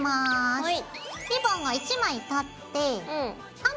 はい。